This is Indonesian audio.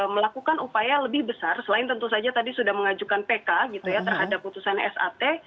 melakukan upaya lebih besar selain tentu saja tadi sudah mengajukan pk gitu ya terhadap putusan sat